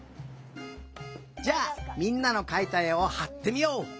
じゃあみんなのかいたえをはってみよう。